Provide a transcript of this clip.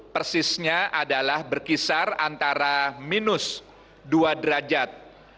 persisnya adalah berkisar antara minus dua derajat